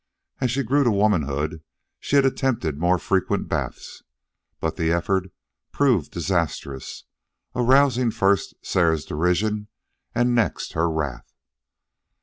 As she grew to womanhood she had attempted more frequent baths. But the effort proved disastrous, arousing, first, Sarah's derision, and next, her wrath.